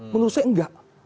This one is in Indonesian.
menurut saya enggak